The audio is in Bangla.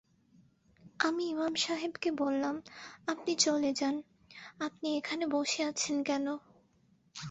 আমি ইমাম সাহেবকে বললাম, আপনি চলে যান, আপনি এখানে বসে আছেন কেন?